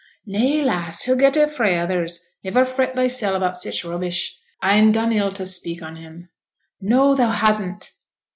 'Nay, lass! he'll get it fra' others. Niver fret thysel' about sich rubbish. A'n done ill to speak on him.' 'No! thou hasn't.